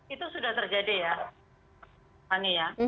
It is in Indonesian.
itu sudah terjadi ya